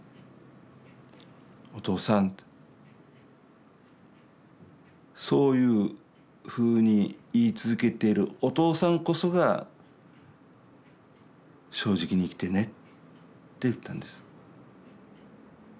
「お父さんそういうふうに言い続けてるお父さんこそが正直に生きてね」って言ったんです。